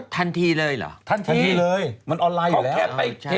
ถันทีเลยหรือทันทีเลยใช่ใช่